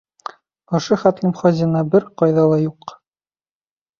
Ошо хәтлем хазина бер ҡайҙа ла юҡ!